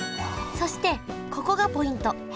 そしてここがポイント。